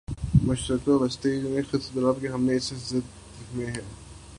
مشرق وسطی میں اضطراب ہے اور ہم اس کی زد میں ہیں۔